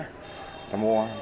người ta mua